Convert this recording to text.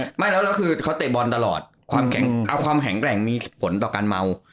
ไม่แล้วแล้วคือเขาเตะบอลตลอดความแข็งแกร่งมีผลต่อการเมา